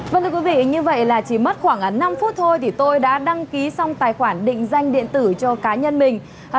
vâng thưa quý vị như vậy là chỉ mất khoảng năm phút thôi thì tôi đã đăng ký xong tài khoản định danh điện tử cho cá nhân mình